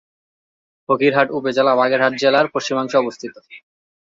ফকিরহাট উপজেলা বাগেরহাট জেলার পশ্চিমাংশে অবস্থিত।